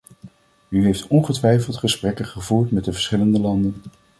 U heeft ongetwijfeld gesprekken gevoerd met de verschillende landen.